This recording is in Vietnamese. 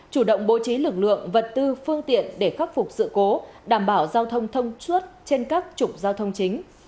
chủ động bố trí lực lượng vật tư phương tiện để khắc phục sự cố đảm bảo giao thông thông suốt trên các trục giao thông chính